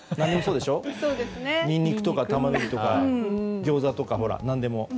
ニンニクとかタマネギとかギョーザとか何でもね。